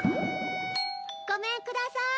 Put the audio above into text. ごめんください！